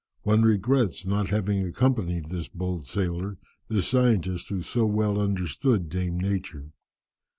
One regrets not having accompanied this bold sailor, this scientist who so well understood Dame Nature!